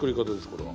これは。